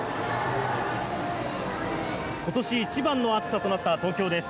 今年一番の暑さとなった東京です。